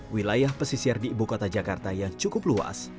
wilayah pesisir di ibu kota jakarta yang cukup luas